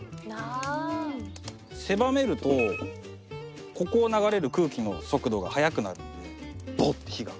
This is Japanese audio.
狭めるとここを流れる空気の速度が速くなるのでボッて火が。